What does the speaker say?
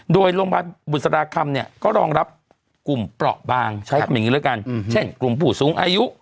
โดยโรงพยาบาลบุตรศาสตราคัมก็รองรับกลุ่มเปราะบางเช่นกลุ่มผู้สูงอายุ